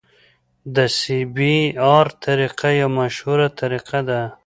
د سی بي ار طریقه یوه مشهوره طریقه ده